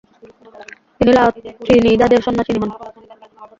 তিনি লা ত্রিনিদাদের সন্নাসিনী হন।